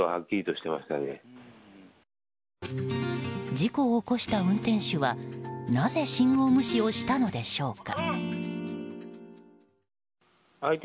事故を起こした運転手はなぜ信号無視をしたのでしょうか。